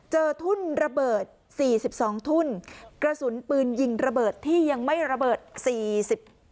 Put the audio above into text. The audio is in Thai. ทุ่นระเบิดสี่สิบสองทุ่นกระสุนปืนยิงระเบิดที่ยังไม่ระเบิดสี่สิบ